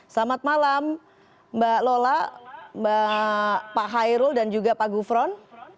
selamat malam mbak lola mbak pak hairul dan juga pak gufron